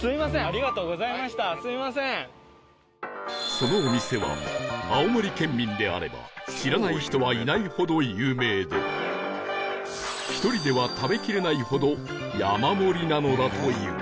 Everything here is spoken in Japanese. そのお店は青森県民であれば知らない人はいないほど有名で１人では食べきれないほど山盛りなのだという